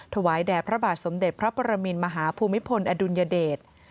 ถวายแด่พระบาทสมเด็จพระปรมินมหาภูมิพลอดุลยเดช